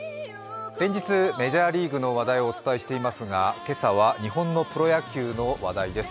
連日、メジャーリーグの話題をお伝えしていますが、今朝は日本のプロ野球の話題です。